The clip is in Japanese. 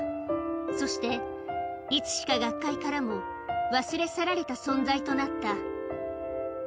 そして、いつしか学界からも忘れ去られた存在となった。